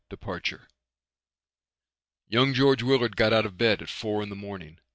DEPARTURE Young George Willard got out of bed at four in the morning.